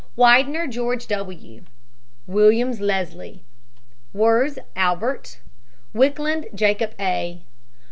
WIDENER, GEORGE W. WILLIAMS, LESLIE. WIRZ, ALBERT WIKLUND, JACOB A.